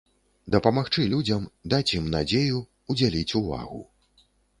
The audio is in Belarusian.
Дапамагчы людзям, даць ім надзею, удзяліць увагу.